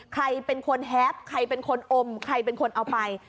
ใครเป็นคนแฮปใครเป็นคนอมใครเป็นคนเอาไป